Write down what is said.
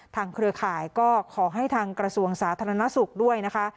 เครือข่ายก็ขอให้ทางกระทรวงสาธารณสุขด้วยนะคะ